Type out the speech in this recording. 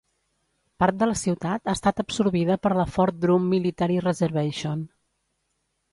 Part de la ciutat ha estat absorbida per la Fort Drum Military Reservation.